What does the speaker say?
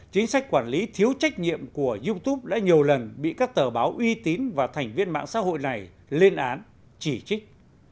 chính sách quản lý thiếu trách nhiệm của youtube đã nhiều lần bị các tờ báo uy tín và thành viên mạng xã hội này lên án chỉ trích